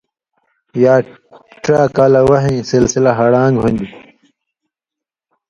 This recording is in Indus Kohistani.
یا ڇا کالہ وحیں سلسلہ ہڑان٘گ ہُوۡندیۡ،